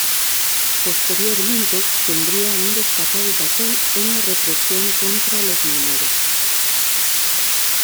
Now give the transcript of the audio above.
Posteriormente, tendría un destacado papel en la represión contra los mineros.